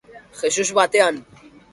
Jesus batean